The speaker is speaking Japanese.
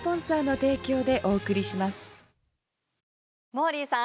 モーリーさん